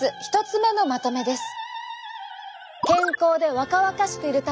１つ目のまとめです。